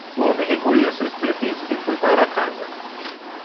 O homem recolheu seus pertences e foi para casa.